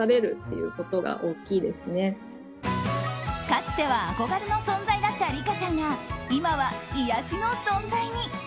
かつては憧れの存在だったリカちゃんが今は癒やしの存在に。